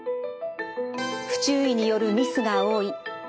不注意によるミスが多い。